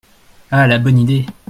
Ah ! la bonne idée !